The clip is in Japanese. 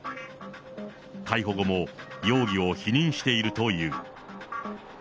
逮捕後も容疑を否認しているという。